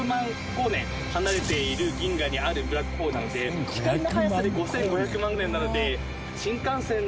光年離れている銀河にあるブラックホールなので光の速さで５５００万年なので。